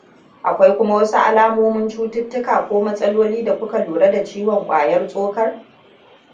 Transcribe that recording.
akwai kuma wasu alamomin cututtuka ko matsaloli da kuka lura da ciwon ƙwayar tsokar?